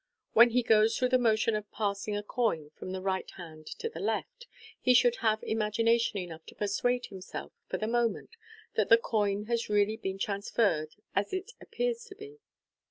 When he goes through the motion of passing a coin from the right hand to the left, he should have imagination enough to persuade himself, for the moment, that the coin has really been transferred as it appears to be.